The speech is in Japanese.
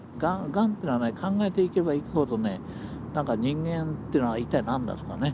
がんというのは考えていけばいくほどね何か人間ってのは一体何だとかね